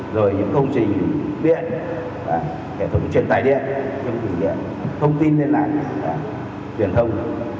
rồi những công trình biện hệ thống truyền tải điện thông tin liên lạc truyền thông